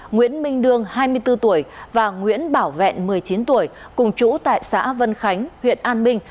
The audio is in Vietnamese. nguyễn minh đương hai mươi bốn tuổi và nguyễn bảo vẹn một mươi chín tuổi cùng chú tại xã vân khánh huyện an minh